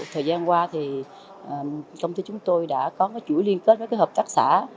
thời gian qua thì công ty chúng tôi đã có chuỗi liên kết với hợp tác xã